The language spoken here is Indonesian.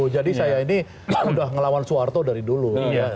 jadi saya ini udah ngelawan soeharto dari dulu